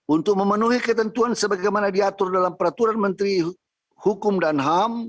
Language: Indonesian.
untuk memenuhi ketentuan sebagaimana diatur dalam peraturan menteri hukum dan ham